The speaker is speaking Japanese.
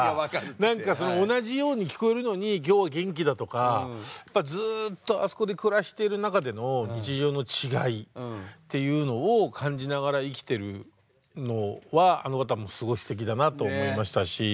何か同じように聞こえるのに「今日は元気だ」とかやっぱずっとあそこで暮らしてる中での日常の違いっていうのを感じながら生きてるのはあの方もすごいすてきだなと思いましたし。